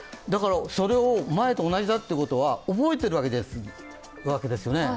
それを、前と同じだと言うことは、覚えているわけですよね。